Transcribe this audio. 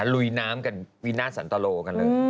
ลุยน้ำกันวินาทสันตโลกันเลย